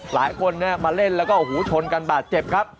หลายคนมาเล่นแล้วก็โอ้โหชนกันบาดเจ็บครับ